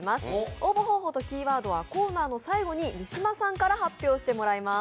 応募方法とキーワードはコーナーの最後に三島さんから発表してもらいます。